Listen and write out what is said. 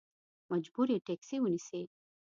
مجبور یې ټیکسي ونیسې.